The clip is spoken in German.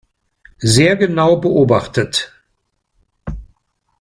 Sehr genau beobachtet.